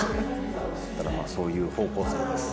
ただまあそういう方向性です。